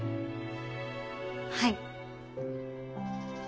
はい。